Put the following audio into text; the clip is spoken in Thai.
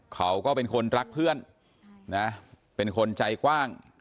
เขาก็เป็นคนรักเพื่อนนะเป็นคนใจกว้าง